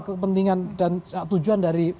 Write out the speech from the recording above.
kepentingan dan tujuan dari